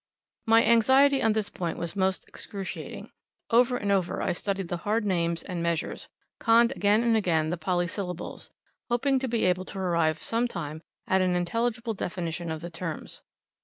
My anxiety on this point was most excruciating. Over and over I studied the hard names and measures, conned again and again the polysyllables; hoping to be able to arrive some time at an intelligible definition of the terms.